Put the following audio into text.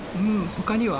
他には？